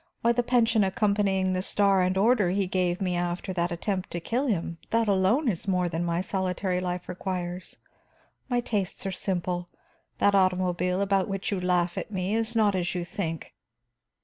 Why, the pension accompanying the star and order he gave me after that attempt to kill him, that alone is more than my solitary life requires. My tastes are simple that automobile about which you laugh at me is not as you think.